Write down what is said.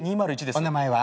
お名前は？